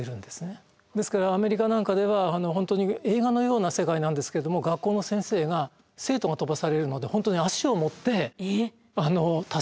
ですからアメリカなんかでは本当に映画のような世界なんですけども学校の先生が生徒が飛ばされるので本当に足を持って助けるという。